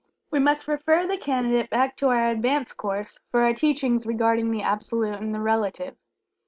(We must refer the Candidate back to our "Advanced Course," for our teachings regarding the Absolute and the Relative.